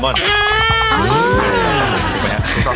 มดสโตค